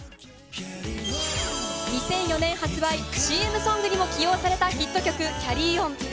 ２００４年発売、ＣＭソングにも起用されたヒット曲『ＣａｒｒｙＯｎ』。